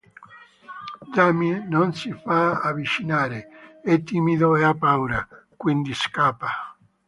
Jamie non si fa avvicinare, è timido e ha paura, quindi scappa.